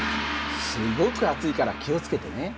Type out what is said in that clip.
すごく熱いから気を付けてね。